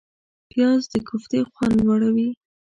پیاز د کوفتې خوند لوړوي